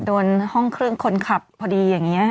โดนห้องเครื่องคนขับพอดีอย่างนี้